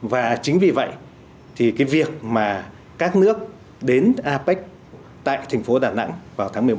và chính vì vậy thì cái việc mà các nước đến apec tại thành phố đà nẵng vào tháng một mươi một năm hai nghìn một mươi bảy